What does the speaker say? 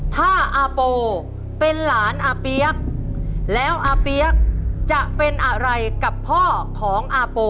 ถ้าอาโปเป็นหลานอาเปี๊ยกแล้วอาเปี๊ยกจะเป็นอะไรกับพ่อของอาโป